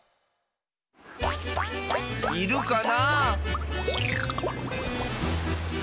いるかなあ？